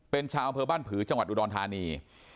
เป็นชาวอำเภอบ้านผือจังหวัดอุดรธานี